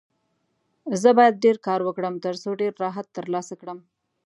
زه باید ډېر کار وکړم، ترڅو ډېر راحت ترلاسه کړم.